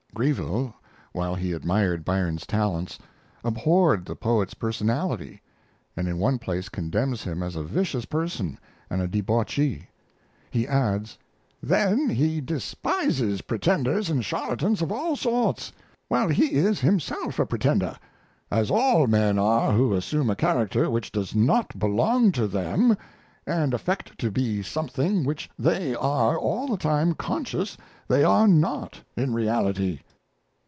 Greville, while he admired Byron's talents, abhorred the poet's personality, and in one place condemns him as a vicious person and a debauchee. He adds: Then he despises pretenders and charlatans of all sorts, while he is himself a pretender, as all men are who assume a character which does not belong to them and affect to be something which they are all the time conscious they are not in reality.